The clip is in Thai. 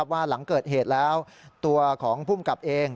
ว่าหลังเกิดเหตุแล้วตัวของภูมิกับเอง